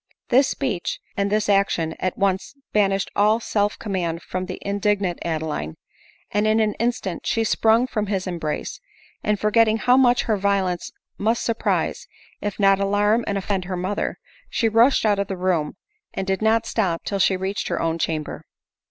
This speech, and this action, at once banished all self command from the indignant Adeline, and in an instant she sprung from his embrace ; and for getting how much her violence must surprise, if not alarm and offend her mother, she rushed out of the room, and did not stop till she reached her own chamber.